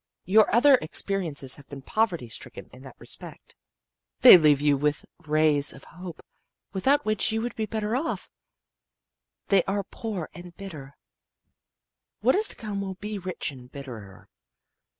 Your other experiences have been poverty stricken in that respect. They leave you with rays of hope, without which you would be better off. They are poor and bitter. What is to come will be rich and bitterer.